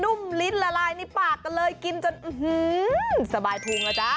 นุ่มลิ้นละลายในปากกันเลยกินจนสบายพลูงแล้วจ้า